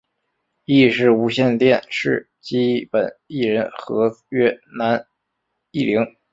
亦是无线电视基本艺人合约男艺员。